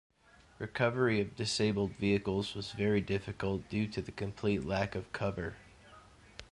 Recovery of disabled vehicles was very difficult due to the complete lack of cover.